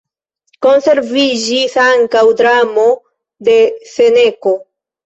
Konserviĝis ankaŭ dramo de Seneko.